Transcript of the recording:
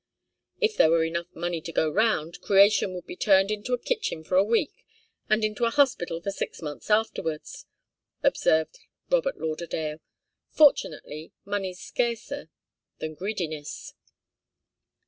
"If there were enough money to go round, creation would be turned into a kitchen for a week, and into a hospital for six months afterwards," observed Robert Lauderdale. "Fortunately, money's scarcer than greediness."